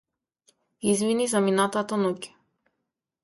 Извини за минатата ноќ.